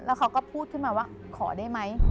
เขาก็พูดขึ้นมาว่าขอได้ไหม